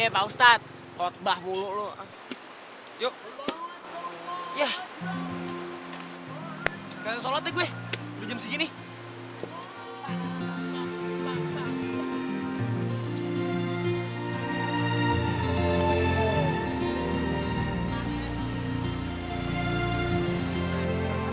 mau pake pengomens lagi lo